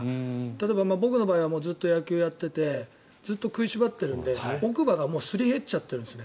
例えば僕の場合はずっと野球をやっていてずっと食いしばっているので奥歯がすり減っちゃってるんです。